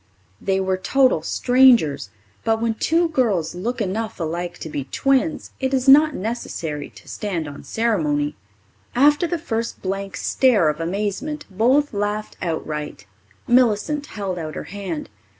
They were total strangers, but when two girls look enough alike to be twins, it is not necessary to stand on ceremony. After the first blank stare of amazement, both laughed outright. Millicent held out her hand.